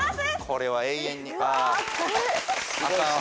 これは永遠にあかん。